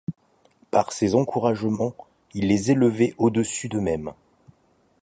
Par ses encouragements, il les élevait au dessus d'eux-mêmes.